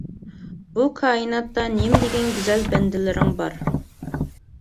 بۇ كائىناتتا نېمىدېگەن گۈزەل بەندىلىرىڭ بار!